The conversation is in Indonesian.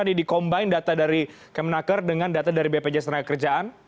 ini di combine data dari kemenaker dengan data dari bpjs tenaga kerjaan